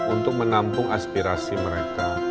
untuk menampung aspirasi mereka